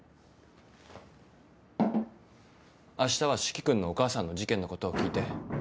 あしたは四鬼君のお母さんの事件のことを聞いて。